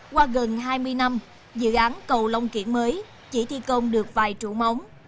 qua gần hai mươi năm dự án cầu long kiển mới chỉ thi công được vài trụ móng